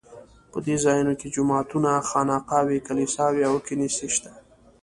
په دې ځایونو کې جوماتونه، خانقاوې، کلیساوې او کنیسې شته.